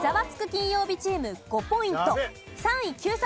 金曜日チーム５ポイント３位Ｑさま！！